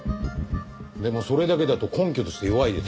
でもそれだけだと根拠として弱いですよね。